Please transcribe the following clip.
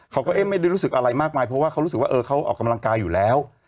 เขาก็เอ๊ะไม่ได้รู้สึกอะไรมากมายเพราะว่าเขารู้สึกว่าเออเขาออกกำลังกายอยู่แล้ว